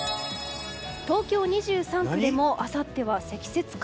東京２３区でもあさっては積雪か。